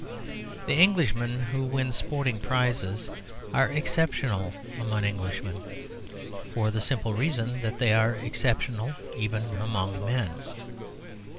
The Englishmen who win sporting prizes are exceptional among Englishmen, for the simple reason that they are exceptional even among men.